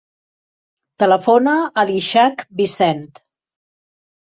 Telefona a l'Ishaq Vicent.